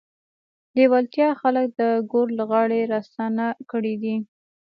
لېوالتیا خلک د ګور له غاړې راستانه کړي دي.